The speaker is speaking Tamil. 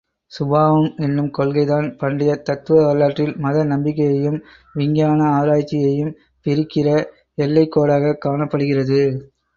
சுவாவம் என்னும் கொள்கைதான் பண்டையத் தத்துவ வரலாற்றில் மத நம்பிக்கையையும், விஞ்ஞான ஆராய்ச்சியையும் பிரிக்கிற எல்லைக்கோடாகக் காணப்படுகிறது.